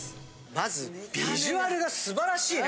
まずビジュアルが素晴らしいね